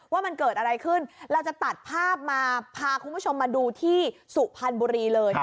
ว่ามันเกิดอะไรขึ้นเราจะตัดภาพมาพาคุณผู้ชมมาดูที่สุพรรณบุรีเลย